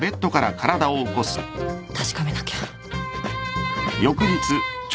確かめなきゃ。